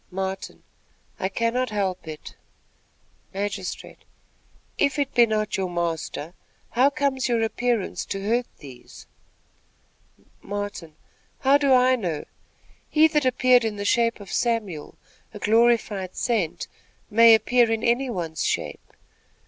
Martin. "I cannot help it." Magistrate. "If it be not your master, how comes your appearance to hurt these?" Martin. "How do I know? He that appeared in the shape of Samuel, a glorified saint, may appear in any one's shape."